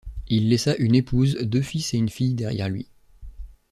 Il laissa une épouse, deux fils et une fille derrière lui.